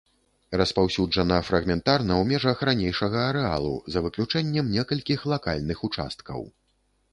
Распаўсюджана фрагментарна ў межах ранейшага арэалу, за выключэннем некалькіх лакальных участкаў.